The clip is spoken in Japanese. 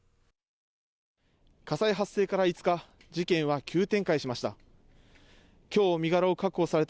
火災発生から５日、事件は急展開しました。